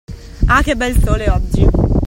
Ah, che bel Sole oggi.